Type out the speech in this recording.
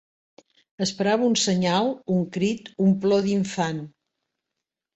Esperava una senyal, un crit, un plor d'infant